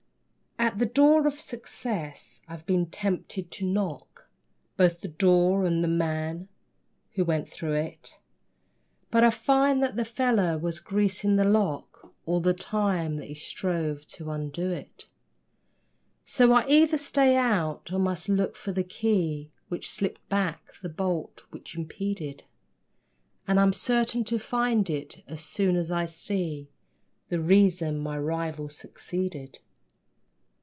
At the door of Success, I've been tempted to knock Both the door and the man who went through it, But I find that the fellow was greasing the lock All the time that he strove to undo it, So I either stay out, or must look for the key Which slipped back the bolt which impeded, And I'm certain to find it, as soon as I see The reason my rival succeeded.